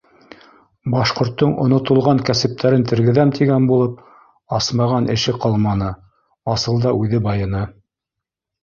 Башҡорттоң онотолған кәсептәрен тергеҙәм тигән булып, асмаған эше ҡалманы, асылда үҙе байыны.